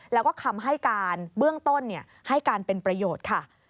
แล้วก็คำให้การเบื้องต้นให้การเป็นประโยชน์ค่ะ